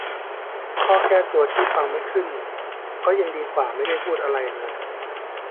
ข้อแก้ตัวที่ฟังไม่ขึ้นก็ยังดีกว่าไม่ได้พูดอะไรเลย